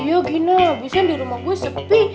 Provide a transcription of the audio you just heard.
iya gina biasanya di rumah gue sepi